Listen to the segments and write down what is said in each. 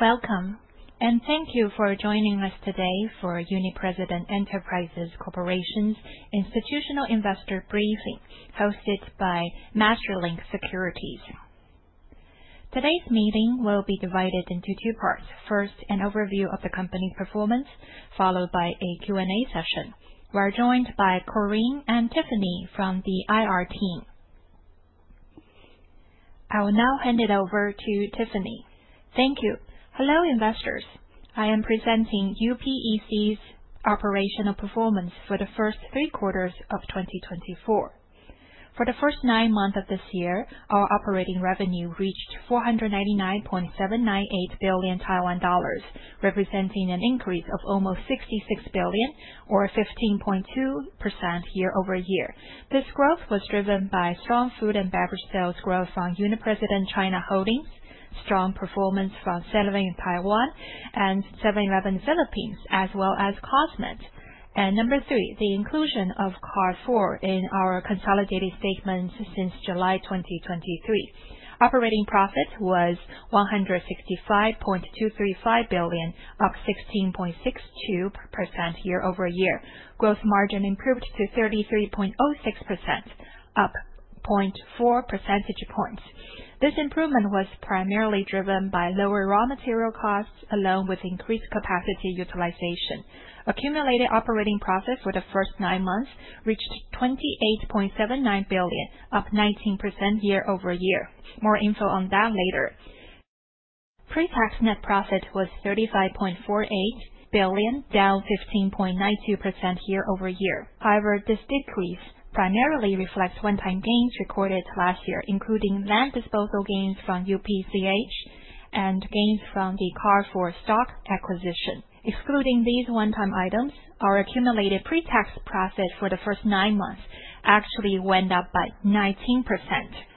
Welcome, thank you for joining us today for Uni-President Enterprises Corporation's Institutional Investor Briefing, hosted by Masterlink Securities. Today's meeting will be divided into two parts. First, an overview of the company performance, followed by a Q&A session. We're joined by Corrine and Tiffany from the IR team. I will now hand it over to Tiffany. Thank you. Hello, investors. I am presenting UPEC's operational performance for the first three quarters of 2024. For the first nine months of this year, our operating revenue reached 499.798 billion Taiwan dollars, representing an increase of almost 66 billion or 15.2% year over year. This growth was driven by strong food and beverage sales growth from Uni-President China Holdings, strong performance from 7-Eleven Taiwan and 7-Eleven Philippines, as well as Cosmed. Number 3, the inclusion of Carrefour Taiwan in our consolidated statements since July 2023. Operating profit was 165.235 billion, up 16.62% year over year. Gross margin improved to 33.06%, up 0.4 percentage points. This improvement was primarily driven by lower raw material costs, along with increased capacity utilization. Accumulated operating profit for the first nine months reached 28.79 billion, up 19% year over year. More info on that later. Pre-tax net profit was 35.48 billion, down 15.92% year over year. This decrease primarily reflects one-time gains recorded last year, including land disposal gains from UPCH and gains from the Carrefour Taiwan stock acquisition. Excluding these one-time items, our accumulated pre-tax profit for the first nine months actually went up by 19%.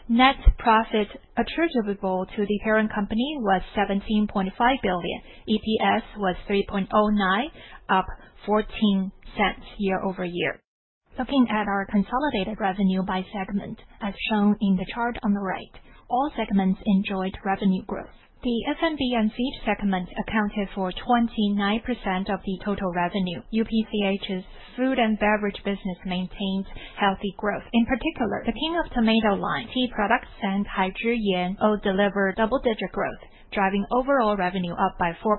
Net profit attributable to the parent company was 17.5 billion. EPS was 3.09, up 0.14 year over year. Looking at our consolidated revenue by segment, as shown in the chart on the right, all segments enjoyed revenue growth. The F&B and feed segment accounted for 29% of the total revenue. UPCH's food and beverage business maintains healthy growth. In particular, The King of Tomato line, tea products, and Hai Zhi Yan all delivered double-digit growth, driving overall revenue up by 4%.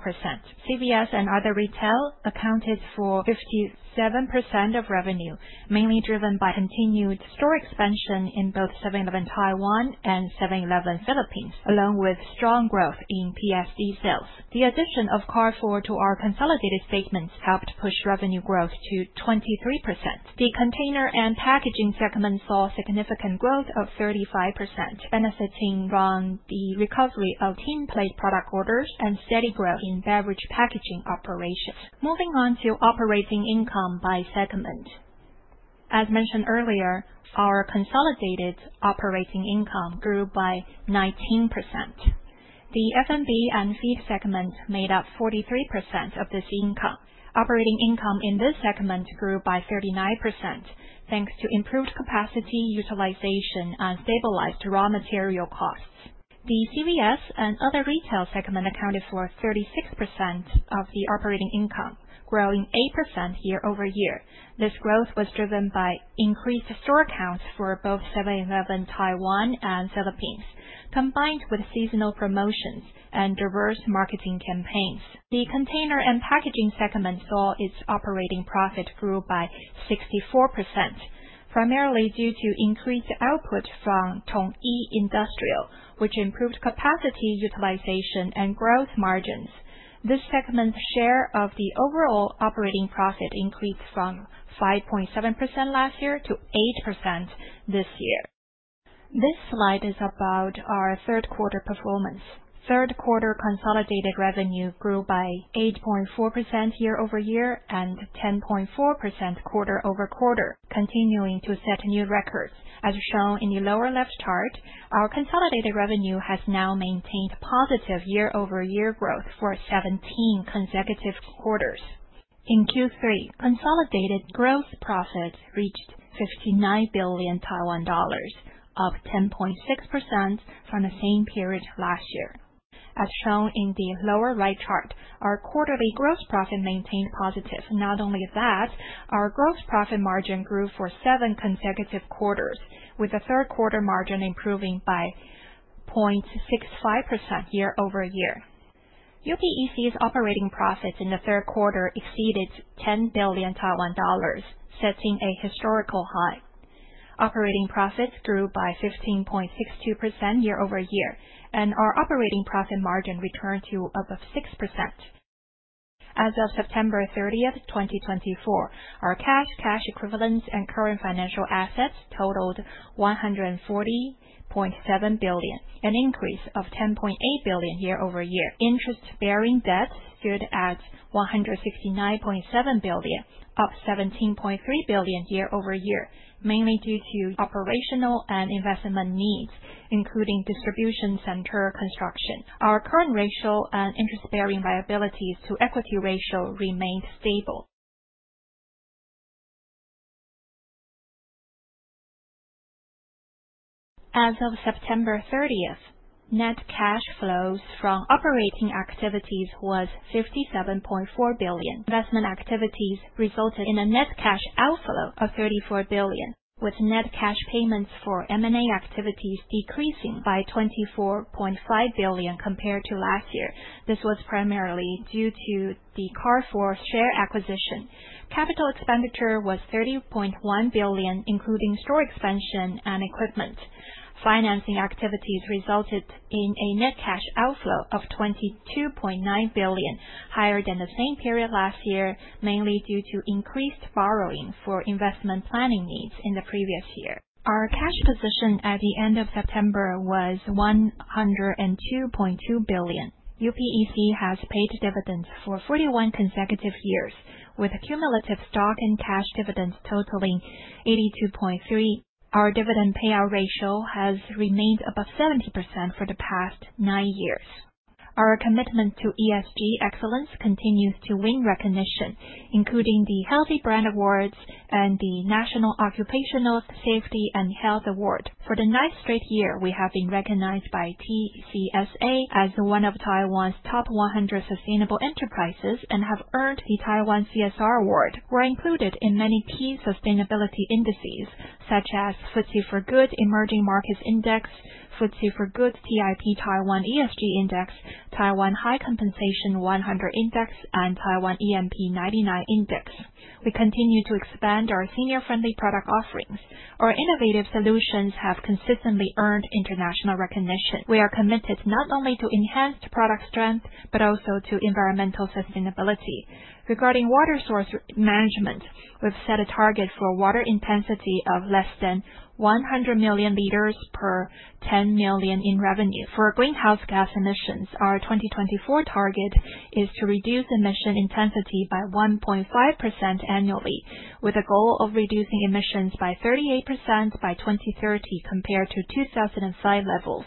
CVS and other retail accounted for 57% of revenue, mainly driven by continued store expansion in both 7-Eleven Taiwan and 7-Eleven Philippines, along with strong growth in PSD sales. The addition of Carrefour Taiwan to our consolidated statements helped push revenue growth to 23%. The container and packaging segment saw significant growth of 35%, benefiting from the recovery of tinplate product orders and steady growth in beverage packaging operations. Moving on to operating income by segment. As mentioned earlier, our consolidated operating income grew by 19%. The F&B and feed segment made up 43% of this income. Operating income in this segment grew by 39%, thanks to improved capacity utilization and stabilized raw material costs. The CVS and other retail segment accounted for 36% of the operating income, growing 8% year over year. This growth was driven by increased store counts for both 7-Eleven Taiwan and 7-Eleven Philippines, combined with seasonal promotions and diverse marketing campaigns. The container and packaging segment saw its operating profit grew by 64%, primarily due to increased output from Ton Yi Industrial Corp., which improved capacity utilization and gross margins. This segment's share of the overall operating profit increased from 5.7% last year to 8% this year. This slide is about our third quarter performance. Third quarter consolidated revenue grew by 8.4% year over year and 10.4% quarter over quarter, continuing to set new records. As shown in the lower left chart, our consolidated revenue has now maintained positive year-over-year growth for 17 consecutive quarters. In Q3, consolidated gross profit reached 59 billion Taiwan dollars, up 10.6% from the same period last year. As shown in the lower right chart, our quarterly gross profit maintained positive. Not only that, our gross profit margin grew for seven consecutive quarters, with the third quarter margin improving by 0.65% year-over-year. UPEC's operating profit in the third quarter exceeded 10 billion Taiwan dollars, setting a historical high. Operating profit grew by 15.62% year-over-year, and our operating profit margin returned to above 6%. As of September 30th, 2024, our cash equivalents, and current financial assets totaled 140.7 billion, an increase of 10.8 billion year-over-year. Interest-bearing debts stood at 169.7 billion, up 17.3 billion year-over-year, mainly due to operational and investment needs, including distribution center construction. Our current ratio and interest-bearing liabilities to equity ratio remained stable. As of September 30th, net cash flows from operating activities was 57.4 billion. Investment activities resulted in a net cash outflow of 34 billion, with net cash payments for M&A activities decreasing by 24.5 billion compared to last year. This was primarily due to the Carrefour share acquisition. Capital expenditure was 30.1 billion, including store expansion and equipment. Financing activities resulted in a net cash outflow of 22.9 billion, higher than the same period last year, mainly due to increased borrowing for investment planning needs in the previous year. Our cash position at the end of September was 102.2 billion. UPEC has paid dividends for 41 consecutive years, with cumulative stock and cash dividends totaling 82.3. Our dividend payout ratio has remained above 70% for the past nine years. Our commitment to ESG excellence continues to win recognition, including the Health Brand Awards and the National Occupational Safety and Health Award. For the ninth straight year, we have been recognized by TCSA as one of Taiwan's top 100 sustainable enterprises and have earned the Taiwan Corporate Sustainability Awards. We're included in many key sustainability indices such as FTSE4Good Emerging Index, FTSE4Good TIP Taiwan ESG Index, Taiwan High Compensation 100 Index, and Taiwan EMP 99 Index. We continue to expand our senior-friendly product offerings. Our innovative solutions have consistently earned international recognition. We are committed not only to enhanced product strength, but also to environmental sustainability. Regarding water source management, we've set a target for water intensity of less than 100 million liters per 10 million in revenue. For greenhouse gas emissions, our 2024 target is to reduce emission intensity by 1.5% annually, with a goal of reducing emissions by 38% by 2030 compared to 2005 levels.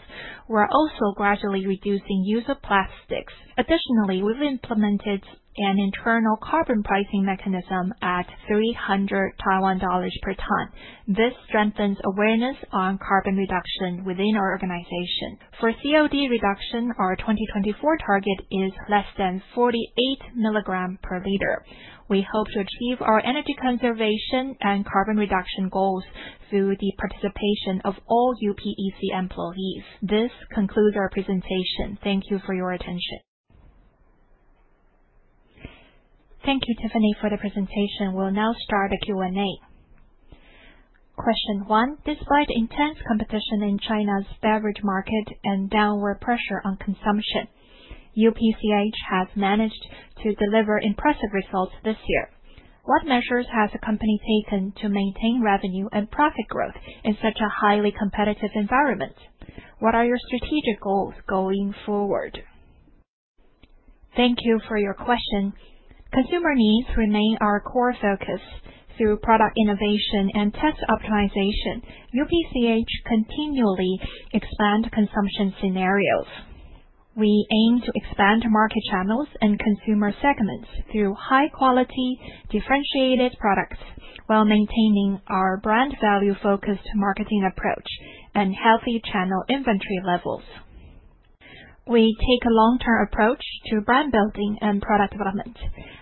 We're also gradually reducing use of plastics. Additionally, we've implemented an internal carbon pricing mechanism at 300 Taiwan dollars per ton. This strengthens awareness on carbon reduction within our organization. For COD reduction, our 2024 target is less than 48 milligrams per liter. We hope to achieve our energy conservation and carbon reduction goals through the participation of all UPEC employees. This concludes our presentation. Thank you for your attention. Thank you, Tiffany, for the presentation. We'll now start the Q&A. Question one. Despite intense competition in China's beverage market and downward pressure on consumption, UPCH has managed to deliver impressive results this year. What measures has the company taken to maintain revenue and profit growth in such a highly competitive environment? What are your strategic goals going forward? Thank you for your question. Consumer needs remain our core focus. Through product innovation and test optimization, UPCH continually expand consumption scenarios. We aim to expand market channels and consumer segments through high-quality, differentiated products while maintaining our brand value-focused marketing approach and healthy channel inventory levels. We take a long-term approach to brand building and product development.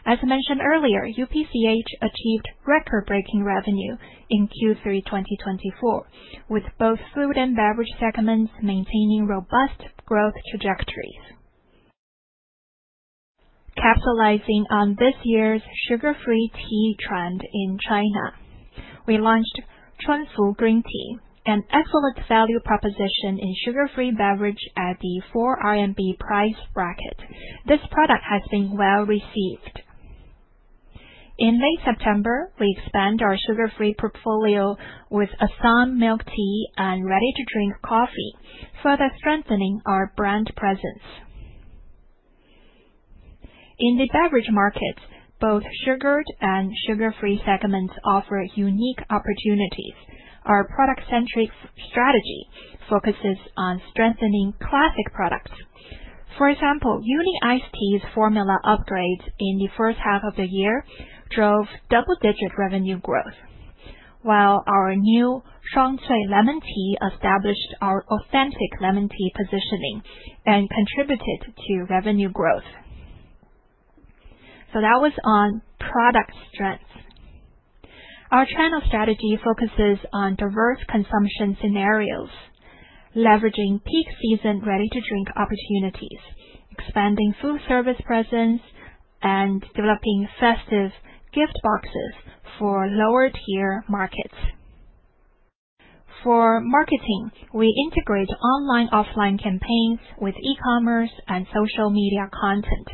As mentioned earlier, UPCH achieved record-breaking revenue in Q3 2024, with both food and beverage segments maintaining robust growth trajectories. Capitalizing on this year's sugar-free tea trend in China, we launched Chunfu Green Tea, an excellent value proposition in sugar-free beverage at the four RMB price bracket. This product has been well-received. In late September, we expand our sugar-free portfolio with a thumb milk tea and ready-to-drink coffee, further strengthening our brand presence. In the beverage market, both sugared and sugar-free segments offer unique opportunities. Our product-centric strategy focuses on strengthening classic products. For example, Uni-Iced Tea's formula upgrades in the first half of the year drove double-digit revenue growth. While our new Shuangcui Lemon Tea established our authentic lemon tea positioning and contributed to revenue growth. That was on product strengths. Our channel strategy focuses on diverse consumption scenarios, leveraging peak season ready-to-drink opportunities, expanding food service presence, and developing festive gift boxes for lower-tier markets. For marketing, we integrate online, offline campaigns with e-commerce and social media content.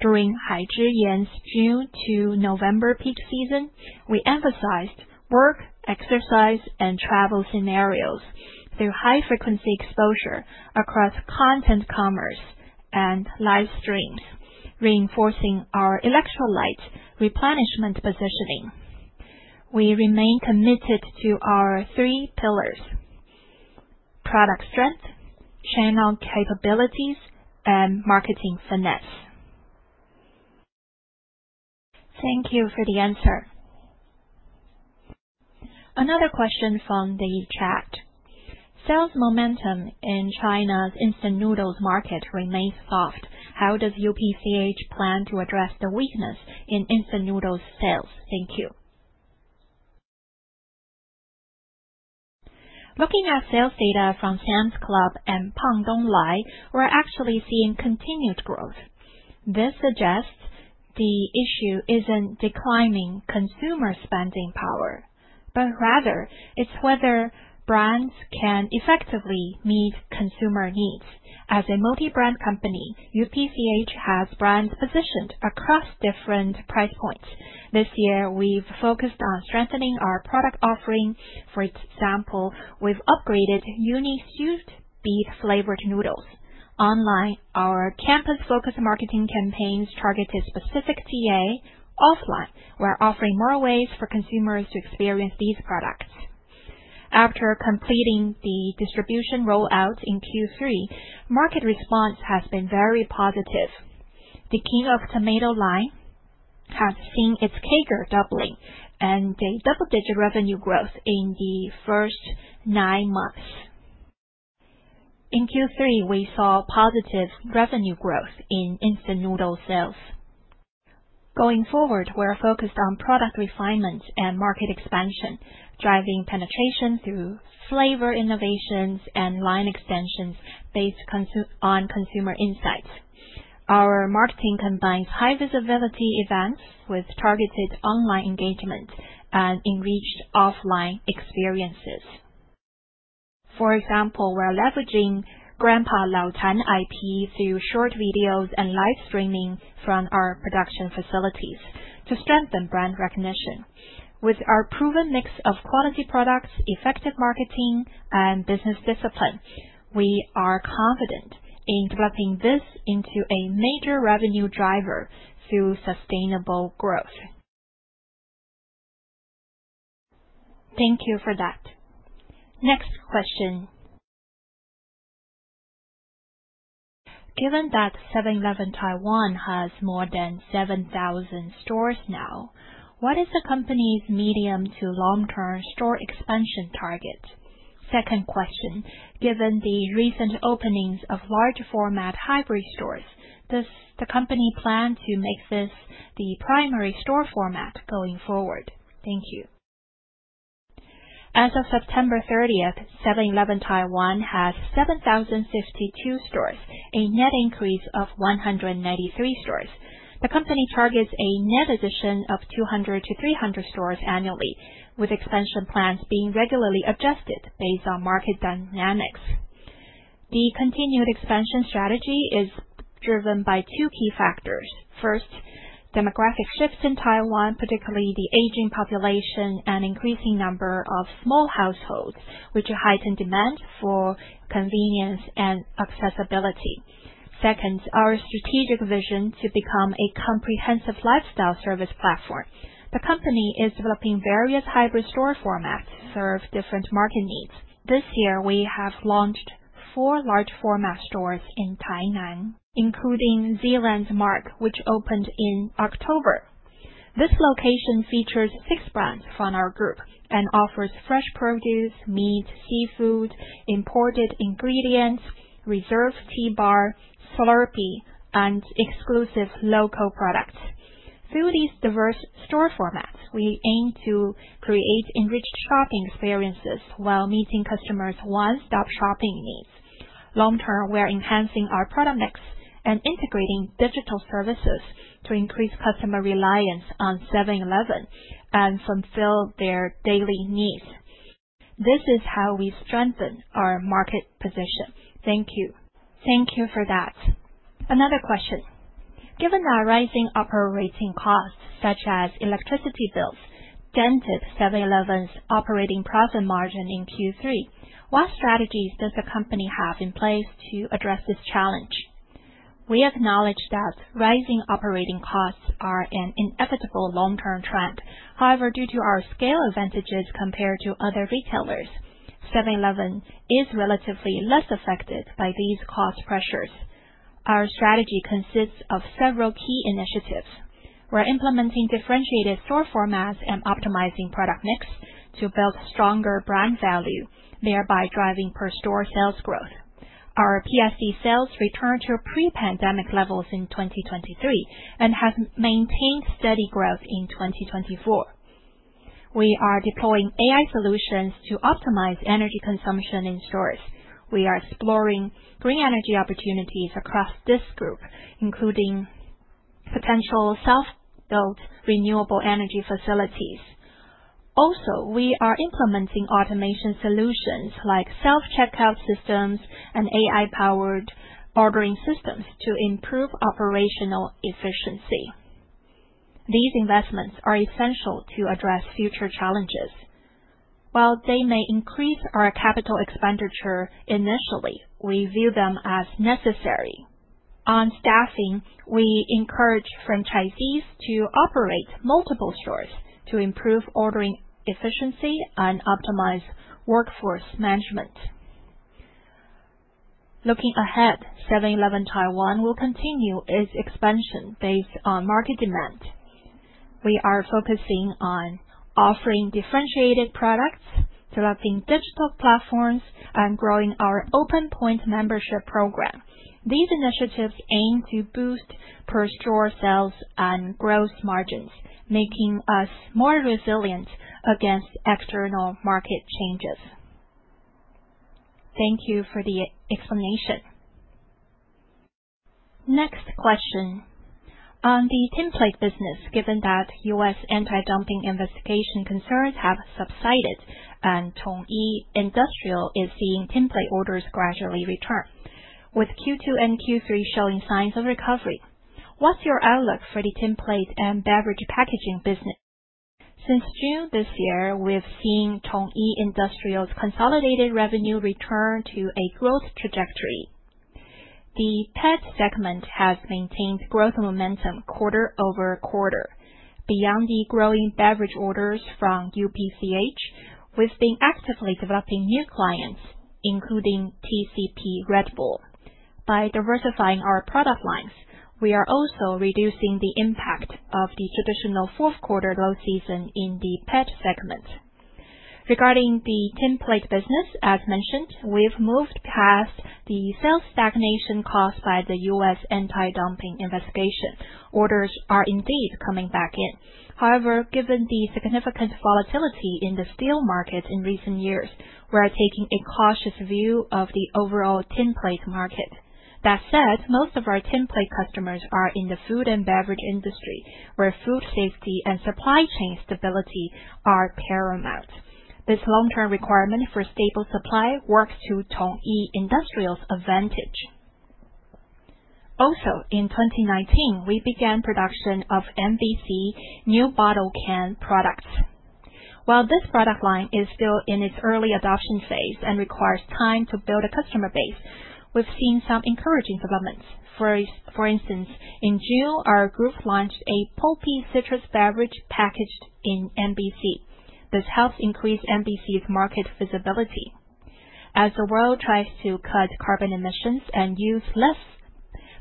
During Hai Zhi Yan's June to November peak season, we emphasized work, exercise, and travel scenarios through high-frequency exposure across content commerce and live streams, reinforcing our electrolyte replenishment positioning. We remain committed to our three pillars: product strength, channel capabilities, and marketing finesse. Thank you for the answer. Another question from the chat. Sales momentum in China's instant noodles market remains soft. How does UPCH plan to address the weakness in instant noodles sales? Thank you. Looking at sales data from Sam's Club and Pangdonglai, we're actually seeing continued growth. This suggests the issue isn't declining consumer spending power, but rather it's whether brands can effectively meet consumer needs. As a multi-brand company, UPCH has brands positioned across different price points. This year, we've focused on strengthening our product offering. For example, we've upgraded Uni Soup beef-flavored noodles. Online, our campus-focused marketing campaigns target a specific TA. Offline, we're offering more ways for consumers to experience these products. After completing the distribution rollout in Q3, market response has been very positive. The King of Tomato line has seen its CAGR doubling and a double-digit revenue growth in the first nine months. In Q3, we saw positive revenue growth in instant noodle sales. Going forward, we're focused on product refinement and market expansion, driving penetration through flavor innovations and line extensions based on consumer insights. Our marketing combines high-visibility events with targeted online engagement and enriched offline experiences. For example, we're leveraging Grandpa Laotan IP through short videos and live streaming from our production facilities to strengthen brand recognition. With our proven mix of quality products, effective marketing, and business discipline, we are confident in developing this into a major revenue driver through sustainable growth. Thank you for that. Next question. Given that 7-Eleven Taiwan has more than 7,000 stores now, what is the company's medium to long-term store expansion target? Second question, given the recent openings of large format hybrid stores, does the company plan to make this the primary store format going forward? Thank you. As of September 30th, 7-Eleven Taiwan had 7,062 stores, a net increase of 193 stores. The company targets a net addition of 200 to 300 stores annually, with expansion plans being regularly adjusted based on market dynamics. The continued expansion strategy is driven by two key factors. First, demographic shifts in Taiwan, particularly the aging population and increasing number of small households, which heighten demand for convenience and accessibility. Second, our strategic vision to become a comprehensive lifestyle service platform. The company is developing various hybrid store formats to serve different market needs. This year, we have launched four large format stores in Tainan, including ZealandMark, which opened in October. This location features six brands from our group and offers fresh produce, meat, seafood, imported ingredients, reserve tea bar, Slurpee, and exclusive local products. Through these diverse store formats, we aim to create enriched shopping experiences while meeting customers' one-stop shopping needs. Long-term, we are enhancing our product mix and integrating digital services to increase customer reliance on 7-Eleven and fulfill their daily needs. This is how we strengthen our market position. Thank you. Thank you for that. Another question. Given our rising operating costs, such as electricity bills, dented 7-Eleven's operating profit margin in Q3, what strategies does the company have in place to address this challenge? We acknowledge that rising operating costs are an inevitable long-term trend. Due to our scale advantages compared to other retailers, 7-Eleven is relatively less affected by these cost pressures. Our strategy consists of several key initiatives. We are implementing differentiated store formats and optimizing product mix to build stronger brand value, thereby driving per store sales growth. Our PSD sales returned to pre-pandemic levels in 2023 and have maintained steady growth in 2024. We are deploying AI solutions to optimize energy consumption in stores. We are exploring green energy opportunities across this group, including potential self-built renewable energy facilities. We are implementing automation solutions like self-checkout systems and AI-powered ordering systems to improve operational efficiency. These investments are essential to address future challenges. While they may increase our capital expenditure initially, we view them as necessary. On staffing, we encourage franchisees to operate multiple stores to improve ordering efficiency and optimize workforce management. Looking ahead, 7-Eleven Taiwan will continue its expansion based on market demand. We are focusing on offering differentiated products, developing digital platforms, and growing our OPEN POINT membership program. These initiatives aim to boost per-store sales and growth margins, making us more resilient against external market changes. Thank you for the explanation. Next question. On the tinplate business, given that US anti-dumping investigation concerns have subsided and Ton Yi Industrial is seeing tinplate orders gradually return, with Q2 and Q3 showing signs of recovery, what's your outlook for the tinplate and beverage packaging business? Since June this year, we have seen Ton Yi Industrial's consolidated revenue return to a growth trajectory. The PET segment has maintained growth momentum quarter-over-quarter. Beyond the growing beverage orders from UPCH, we have been actively developing new clients, including TCP Red Bull. By diversifying our product lines, we are also reducing the impact of the traditional fourth quarter low season in the PET segment. Regarding the tinplate business, as mentioned, we have moved past the sales stagnation caused by the US anti-dumping investigation. Orders are indeed coming back in. However, given the significant volatility in the steel market in recent years, we are taking a cautious view of the overall tinplate market. That said, most of our tinplate customers are in the food and beverage industry, where food safety and supply chain stability are paramount. This long-term requirement for stable supply works to Ton Yi Industrial's advantage. Also, in 2019, we began production of MBC, new bottle can products. While this product line is still in its early adoption phase and requires time to build a customer base, we've seen some encouraging developments. For instance, in June, our group launched a pulpy citrus beverage packaged in MBC. This helps increase MBC's market visibility. As the world tries to cut carbon emissions and use less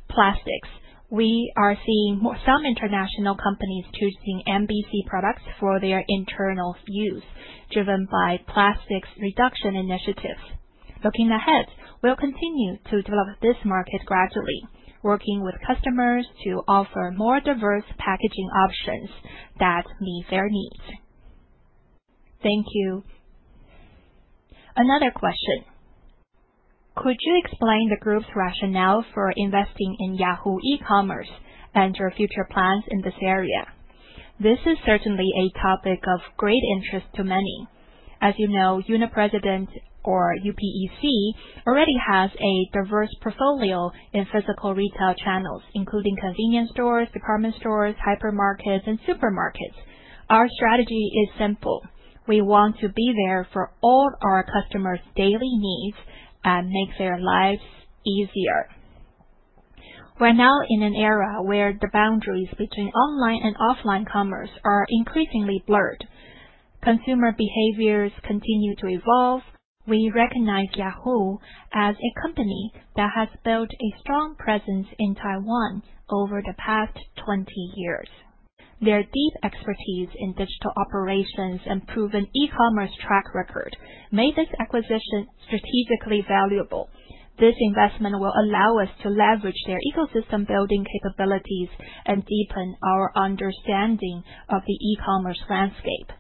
plastics, we are seeing some international companies choosing MBC products for their internal use, driven by plastics reduction initiatives. Looking ahead, we'll continue to develop this market gradually, working with customers to offer more diverse packaging options that meet their needs. Thank you. Another question. Could you explain the group's rationale for investing in Yahoo e-commerce and your future plans in this area? This is certainly a topic of great interest to many. As you know, Uni-President or UPEC already has a diverse portfolio in physical retail channels, including convenience stores, department stores, hypermarkets, and supermarkets. Our strategy is simple. We want to be there for all of our customers' daily needs and make their lives easier. We're now in an era where the boundaries between online and offline commerce are increasingly blurred. Consumer behaviors continue to evolve. We recognize Yahoo as a company that has built a strong presence in Taiwan over the past 20 years. Their deep expertise in digital operations and proven e-commerce track record made this acquisition strategically valuable. This investment will allow us to leverage their ecosystem building capabilities and deepen our understanding of the e-commerce landscape.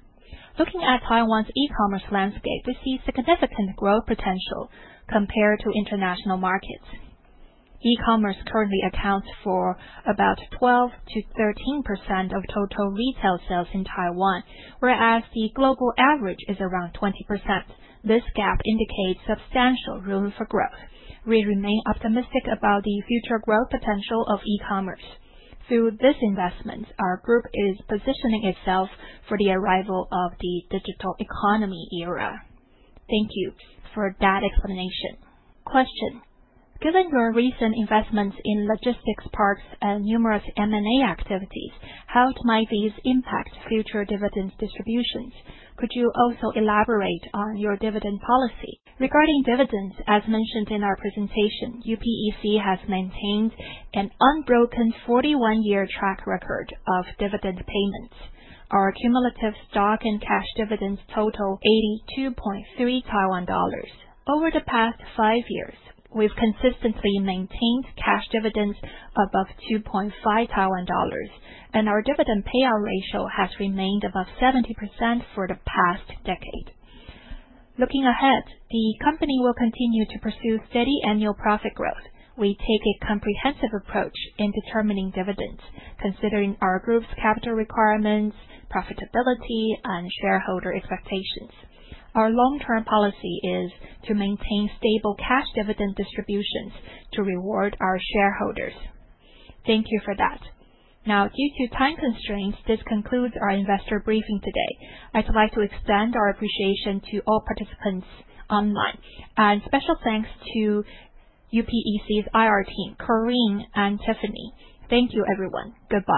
Looking at Taiwan's e-commerce landscape, we see significant growth potential compared to international markets. E-commerce currently accounts for about 12%-13% of total retail sales in Taiwan, whereas the global average is around 20%. This gap indicates substantial room for growth. We remain optimistic about the future growth potential of e-commerce. Through this investment, our group is positioning itself for the arrival of the digital economy era. Thank you for that explanation. Question. Given your recent investments in logistics parks and numerous M&A activities, how might these impact future dividend distributions? Could you also elaborate on your dividend policy? Regarding dividends, as mentioned in our presentation, UPEC has maintained an unbroken 41-year track record of dividend payments. Our cumulative stock and cash dividends total 82.3 Taiwan dollars. Over the past five years, we've consistently maintained cash dividends above 2.5 Taiwan dollars, and our dividend payout ratio has remained above 70% for the past decade. Looking ahead, the company will continue to pursue steady annual profit growth. We take a comprehensive approach in determining dividends, considering our group's capital requirements, profitability, and shareholder expectations. Our long-term policy is to maintain stable cash dividend distributions to reward our shareholders. Thank you for that. Now, due to time constraints, this concludes our investor briefing today. I'd like to extend our appreciation to all participants online. Special thanks to UPEC's IR team, Corrine and Tiffany. Thank you everyone. Goodbye.